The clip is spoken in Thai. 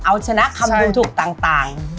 เอาชนะคำดูถูกต่าง